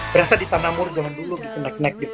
berasa di tanahmur jangan dulu di kenet merah